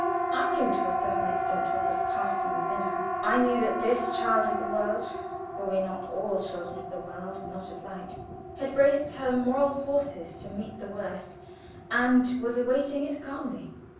I knew to a certain extent what was passing within her. I knew that this child of the world were we not all children of the world, and not of light? had braced her moral forces to meet the worst, and was awaiting it calmly.